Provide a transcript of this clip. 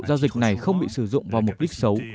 giao dịch này không bị sử dụng vào mục đích xấu